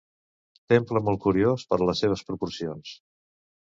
Temple molt curiós per les seves proporcions.